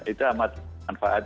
itu amat manfaat